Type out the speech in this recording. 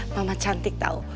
mama cantik tau